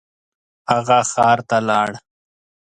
هغه ښار ته لاړ.